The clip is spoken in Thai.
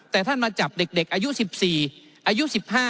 แต่ท่านมาจับเด็กอายุ๑๔อายุ๑๕